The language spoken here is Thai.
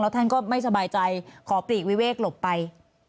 ท่านก็ไม่สบายใจขอปลีกวิเวกหลบไป